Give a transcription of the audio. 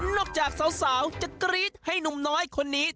จากสาวจะกรี๊ดให้หนุ่มน้อยคนนี้